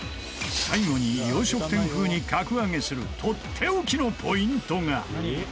最後に洋食店風に格上げするとっておきのポイントが